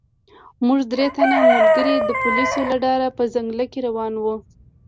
موږ درې تنه ملګري د پولیسو له ډاره په ځنګله کې روان وو.